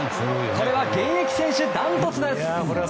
これは現役選手ダントツです。